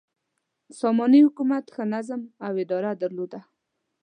ساماني حکومت ښه نظم او اداره درلوده.